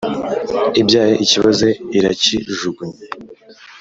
• ibyaye ikiboze irakijugunya